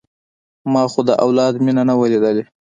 ما خو د اولاد مينه نه وه ليدلې.